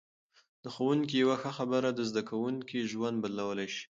د ښوونکي یوه ښه خبره د زده کوونکي ژوند بدلولای شي.